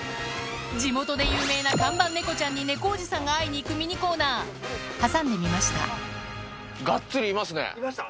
地元で有名な看板ネコちゃんにネコおじさんが会いに行くミニコーナー挟んでみましたいました？